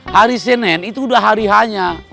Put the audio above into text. hari senin itu udah hari h nya